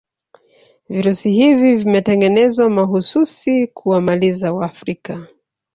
virusi hivi vimetengenezwa mahususi kuwamaliza waafrika